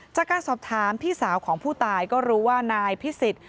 จากการสอบถามพี่สาวของผู้ตายก็รู้ว่านายพิสิทธิ์